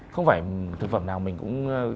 không phải thực phẩm nào mình cũng